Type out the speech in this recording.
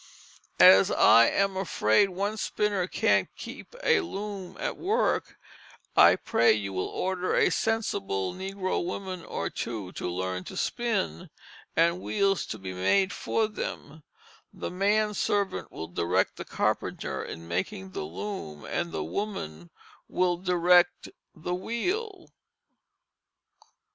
"As I am afraid one Spinner can't keep a Loom at work, I pray you will order a Sensible Negroe woman or two to learn to spin, and wheels to be made for them; the man Servant will direct the Carpenter in making the loom and the woman will direct the Wheel."